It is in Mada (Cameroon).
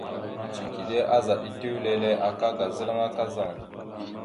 Cikiɗe azaɗ etew lele aka ga zalŋa kazaŋ.